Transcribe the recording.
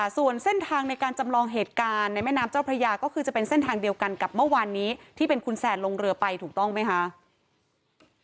ส่วนเส้นทางในการจำลองเหตุการณ์ในแม่น้ำเจ้าพระยาก็คือจะเป็นเส้นทางเดียวกันกับเมื่อวานนี้ที่เป็นคุณแซนลงเรือไปถูกต้องไหมคะ